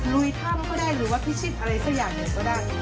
ลุยถ้ำก็ได้หรือว่าพิชิตอะไรสักอย่างหนึ่งก็ได้